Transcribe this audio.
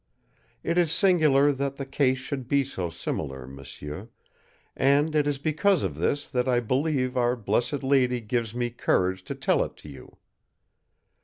It is singular that the case should be so similar, m'sieur, and it is because of this that I believe Our Blessed Lady gives me courage to tell it to you.